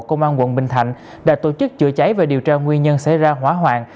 công an quận bình thạnh đã tổ chức chữa cháy và điều tra nguyên nhân xảy ra hỏa hoạn